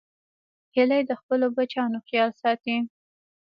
هیلۍ د خپلو بچیانو خیال ساتي